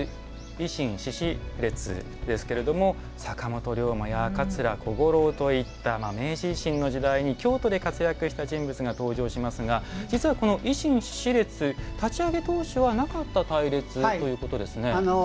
維新志士列ですけど坂本龍馬や桂小五郎といった明治維新の時代に京都で活躍した人物が登場しますが実は、維新志士列立ち上げ当初はなかった隊列ということですね。